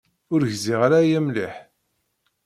Ur gziɣ ara aya mliḥ.